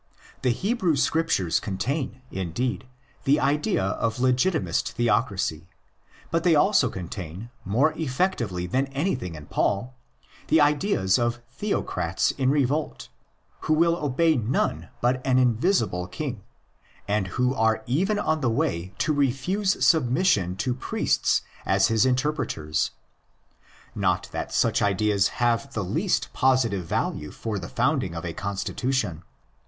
The Hebrew Scriptures contain, indeed, the idea of legitimist theocracy ; but they also contain, more effectively than anything in Paul, the ideas of theocrats in revolt, who will obey none but an invisible king, and who are even on the way to refuse submission to priests as his interpreters. 'Not that such ideas have the least positive value for the founding of a constitution.